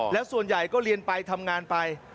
แล้วส่วนใหญ่ก็เรียนไปทำงานไป